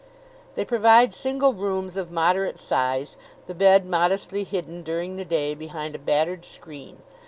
They provide single rooms of moderate size, the bed modestly hidden during the day behind a battered screen.